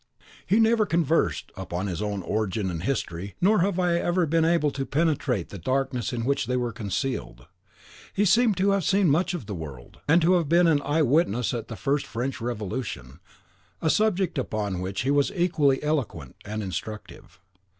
He never conversed upon his own origin and history, nor have I ever been able to penetrate the darkness in which they were concealed. He seemed to have seen much of the world, and to have been an eye witness of the first French Revolution, a subject upon which he was equally eloquent and instructive.